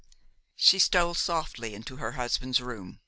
She stole softly into her husband's room.